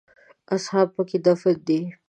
اصحاب په کې دفن دي.